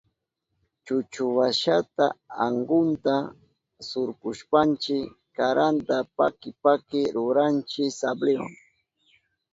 Chuchuwasha ankunta surkushpanchi karanta paki paki ruranchi sabliwa.